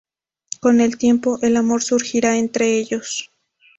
Con el tiempo, el amor surgirá entre ellos.